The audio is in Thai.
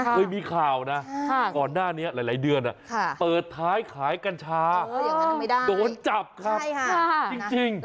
เคยมีข่าวนะก่อนหน้านี้หลายเดือนเปิดท้ายขายกัญชาโดนจับครับจริง